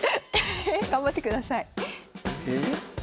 頑張ってください。